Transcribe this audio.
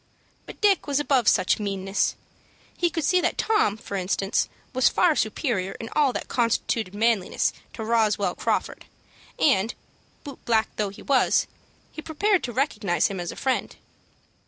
But Dick was above such meanness. He could see that Tom, for instance, was far superior in all that constituted manliness to Roswell Crawford, and, boot black though he was, he prepared to recognize him as a friend.